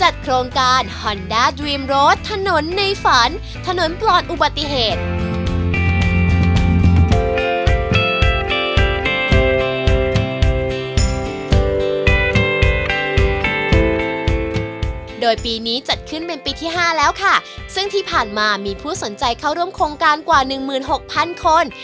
โดยปีนี้จัดขึ้นเป็นปีที่๕แล้วค่ะซึ่งที่ผ่านมามีผู้สนใจเข้าร่วมโครงการกว่าหนึ่งหมื่นหกพันคน